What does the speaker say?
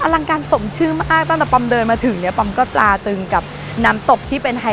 ลังการสมชื่อมากตั้งแต่ปอมเดินมาถึงเนี่ยปอมก็ตราตึงกับน้ำตกที่เป็นไฮ